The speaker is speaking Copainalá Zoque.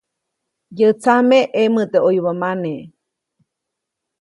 Yäʼ tsame ʼemoʼte ʼoyubä mane.